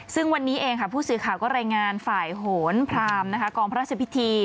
ซึ่งวันนี้เองค่ะผู้สื่อข่าวก็รายงานฝ่ายโหนพรามกองพระราชพิธี